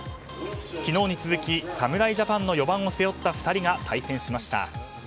昨日に続き、侍ジャパンの４番を背負った２人が対戦しました。